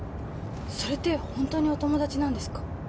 それって本当にお友達なんですか？